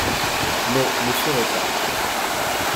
Non, ne seraient pas.